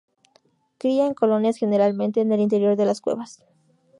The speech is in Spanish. Cría en colonias generalmente en el interior de las cuevas.